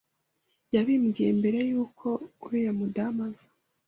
yabimbwiye mbere y’uko uriya mudamu aza